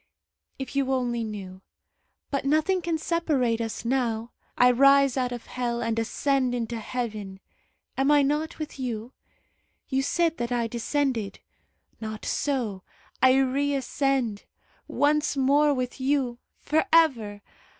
If you only knew but nothing can separate us now. I rise out of hell, and ascend into heaven. Am I not with you? You said that I descended. Not so; I reascend. Once more with you! For ever!